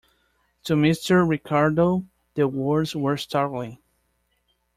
To Mr. Ricardo the words were startling.